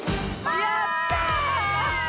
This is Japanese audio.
やった！